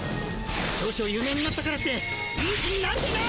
少々有名になったからっていい気になるでない！